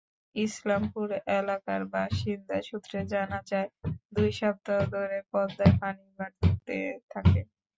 ইসলামপুর এলাকার বাসিন্দা সূত্রে জানা যায়, দুই সপ্তাহ ধরে পদ্মায় পানি বাড়তে থাকে।